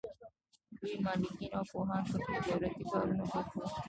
لوی مالکین او پوهان په دولتي کارونو بوخت وو.